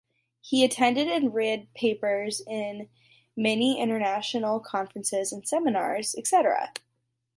He attended and read papers in many international conferences and seminars etc.